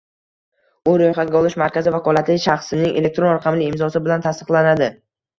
u ro‘yxatga olish markazi vakolatli shaxsining elektron raqamli imzosi bilan tasdiqlanadi.